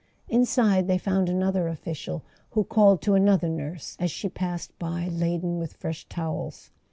Inside they found another official, who called to another nurse as she passed by laden with fresh towels.